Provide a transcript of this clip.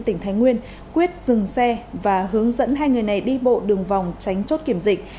tỉnh thái nguyên quyết dừng xe và hướng dẫn hai người này đi bộ đường vòng tránh chốt kiểm dịch